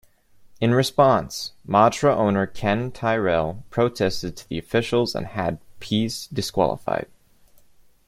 In response, Matra owner Ken Tyrrell protested to the officials and had Pease disqualified.